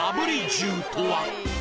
重とは？